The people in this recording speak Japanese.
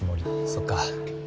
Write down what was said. そっか。